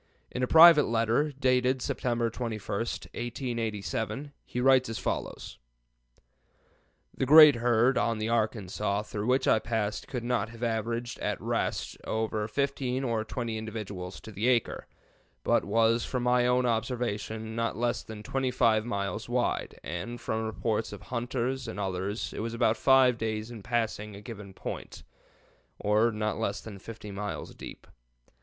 In a private letter, dated September 21, 1887, he writes as follows: "The great herd on the Arkansas through which I passed could not have averaged, at rest, over fifteen or twenty individuals to the acre, but was, from my own observation, not less than 25 miles wide, and from reports of hunters and others it was about five days in passing a given point, or not less than 50 miles deep.